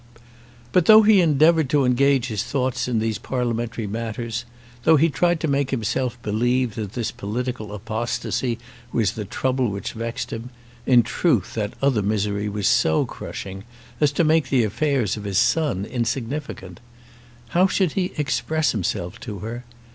But though he endeavoured to engage his thoughts in these parliamentary matters, though he tried to make himself believe that this political apostasy was the trouble which vexed him, in truth that other misery was so crushing, as to make the affairs of his son insignificant. How should he express himself to her?